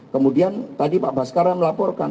kemudian tadi pak baskara melaporkan